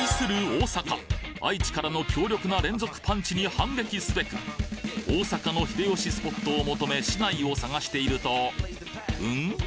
大阪愛知からの強力な連続パンチに反撃すべく大阪の秀吉スポットを求め市内を探しているとうん？